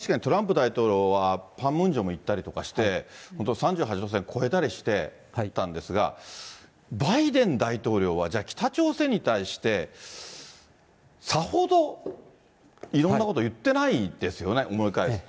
李先生、確かにトランプ大統領はパンムンジョム行ったりとかして、本当３８度線越えたりしてたんですが、バイデン大統領は、じゃあ、北朝鮮に対して、さほどいろんなこと言ってないですよね、思い返すと。